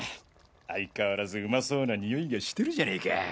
相変わらず旨そうな匂いがしてるじゃねぇか。